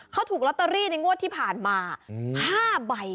เขาถูกลอตเตอรี่ในงวดที่ผ่านมา๕ใบ